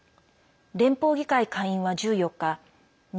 連邦議会下院は１４日２０２３